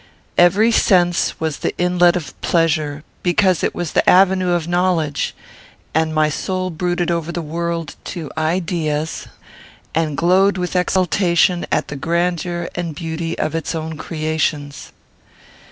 Every sense was the inlet of pleasure, because it was the avenue of knowledge; and my soul brooded over the world to ideas, and glowed with exultation at the grandeur and beauty of its own creations.